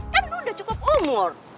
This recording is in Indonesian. kan udah cukup umur